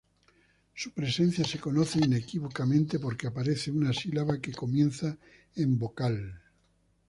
Su presencia se conoce inequívocamente porque aparece una sílaba que comienza en vocal.